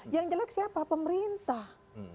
yang jelek siapa pemerintah